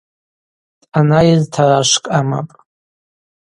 Дъанайыз тарашвкӏ амапӏ.